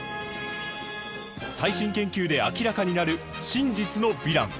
最新研究で明らかになる真実のヴィラン！